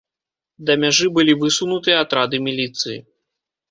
Да мяжы былі высунуты атрады міліцыі.